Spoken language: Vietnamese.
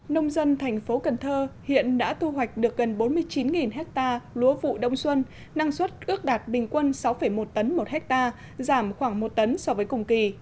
nông dân thành phố cần thơ hiện đã thu hoạch được gần bốn mươi chín ha lúa vụ đông xuân năng suất ước đạt bình quân sáu một tấn một hectare giảm khoảng một tấn so với cùng kỳ